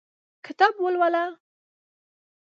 کتاب ولوله !